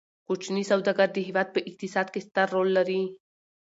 کوچني سوداګر د هیواد په اقتصاد کې ستر رول لري.